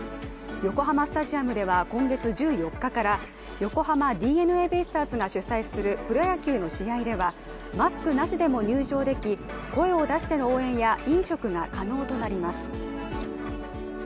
横浜スタジアムでは、今月１４日から横浜ＤｅＮＡベイスターズが主催するプロ野球の試合ではマスクなしでも入場でき声を出しての応援や飲食が可能となります。